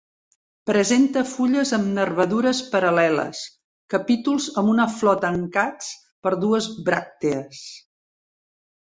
Presenta fulles amb nervadures paral·leles, capítols amb una flor tancats per dues bràctees.